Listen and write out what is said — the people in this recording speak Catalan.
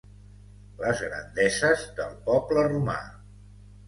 Les grandeses del poble romà.